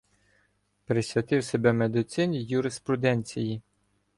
Присвятив себе медицині и юриспруденції.